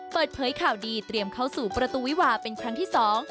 เปิดเผยข่าวดีเตรียมเข้าสู่ประตูวิวาเป็นครั้งที่สอง